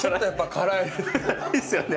辛いですよね。